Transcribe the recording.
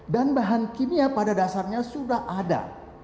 dan bahan kimia pada dasarnya sudah ada